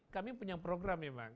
kami punya program memang